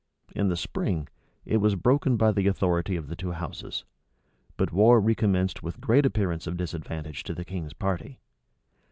In the spring, it was broken by the authority of the two houses; but war recommenced with great appearance of disadvantage to the king's party.